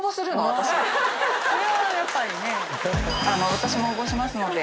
私も応募しますので